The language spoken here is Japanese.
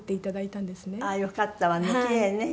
あっよかったわね。